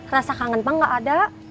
rasa kangen pak nggak ada